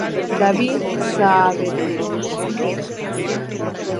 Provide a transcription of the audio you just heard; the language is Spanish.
David Saavedra Vega.